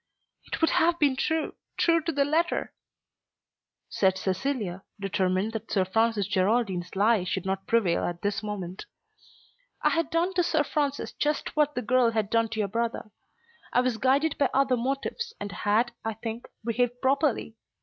"It would have been true, true to the letter," said Cecilia, determined that Sir Francis Geraldine's lie should not prevail at this moment. "I had done to Sir Francis just what the girl had done to your brother. I was guided by other motives and had, I think, behaved properly.